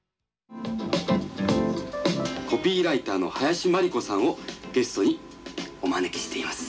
「コピーライターの林真理子さんをゲストにお招きしています」。